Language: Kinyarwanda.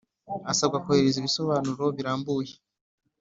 Asabwa kohereza ibisobanuro birambuye